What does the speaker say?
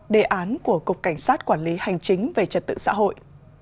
đề án của cục cảnh sát quản lý hành chính về trật tự xã hội